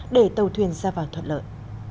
để tàu thuyền ra vào thuận lợi